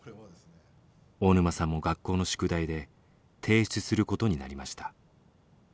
大沼さんも学校の宿題で提出することになりました。